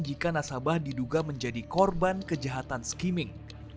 jika nasabah diduga menjadi korban kejahatan skimming